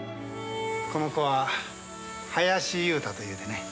この子は林雄太というてね。